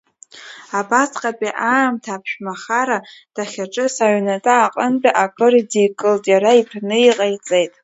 Абасҟатәи аамҭа аԥшәмахара дахьаҿыз аҩнаҭа аҟынтәи акыр идикылт, иара итәны иҟаиҵеит.